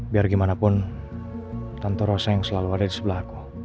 biar gimana pun tentu rasa yang selalu ada di sebelah aku